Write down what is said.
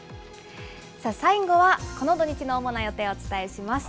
最後は、この土日の主な予定をお伝えします。